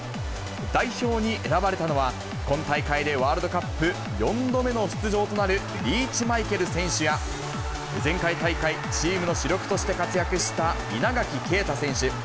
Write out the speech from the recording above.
代表に選ばれたのは、今大会でワールドカップ４度目の出場となるリーチマイケル選手や、前回大会、チームの主力として活躍した稲垣啓太選手。